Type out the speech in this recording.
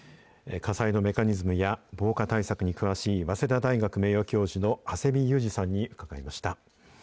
火災のメカニズムや、防火対策に詳しい早稲田大学名誉教授の長谷見雄二さんに伺いました。